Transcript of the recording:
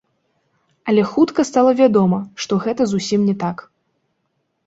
Але хутка стала вядома, што гэта зусім не так.